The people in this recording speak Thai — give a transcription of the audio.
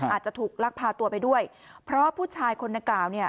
อาจจะถูกลักพาตัวไปด้วยเพราะผู้ชายคนดังกล่าวเนี่ย